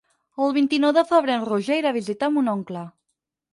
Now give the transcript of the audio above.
El vint-i-nou de febrer en Roger irà a visitar mon oncle.